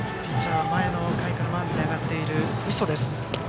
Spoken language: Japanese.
ピッチャーは前の回からマウンドに上がっている磯。